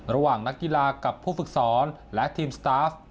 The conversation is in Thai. ระหว่างนักกีฬากับผู้ฝึกสอนและทีมสตาฟ